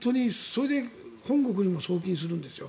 それで本国にも送金するんです。